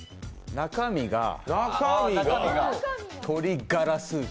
中身が鶏ガラスープ。